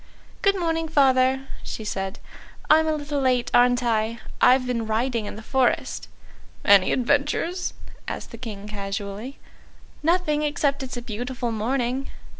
"Good morning, Father," she said; "I'm a little late, aren't I? I've been riding in the forest." "Any adventures?" asked the King casually. "Nothing, except it's a beautiful morning."